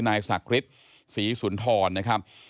นายศักดิ์ฤทธิ์ศรีสุนทรนะครับ